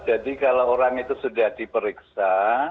jadi kalau orang itu sudah diperiksa